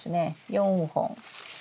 ４本。